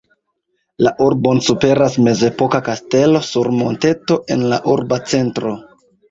La urbon superas mezepoka kastelo sur monteto en la urba centro.